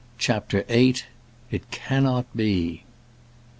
CHAPTER VIII. IT CANNOT BE.